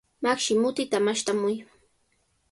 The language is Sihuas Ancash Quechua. Makshi, mutita mashtamuy.